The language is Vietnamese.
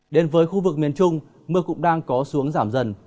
đến với khu vực miền trung mưa cũng đang có xuống giảm dần